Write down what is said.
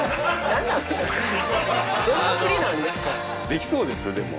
できそうですでも。